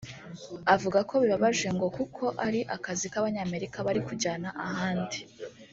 Avuga ko bibabaje ngo kuko ari akazi k’abanyamerika bari kujyana ahandi